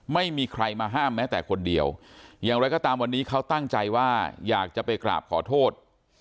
ไม่มีใครมาห้ามแม้แต่คนเดียวอย่างไรก็ตามวันนี้เขาตั้งใจว่าอยากจะไปกราบขอโทษ